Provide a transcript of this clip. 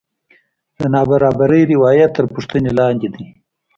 د نابرابرۍ روایت تر پوښتنې لاندې دی.